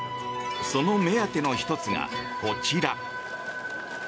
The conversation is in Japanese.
その目当ての１つが、こちら。